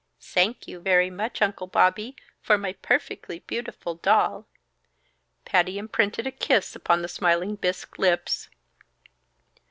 "Sank you very much, Uncle Bobby, for my perfectly beautiful doll!" Patty imprinted a kiss upon the smiling bisque lips.